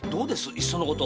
いっそのこと